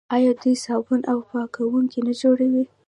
آیا دوی صابون او پاکوونکي نه جوړوي؟